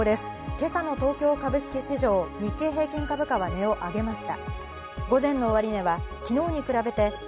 今朝の東京株式市場、日経平均株価は値を上げました。